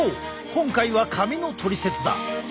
今回は髪のトリセツだ！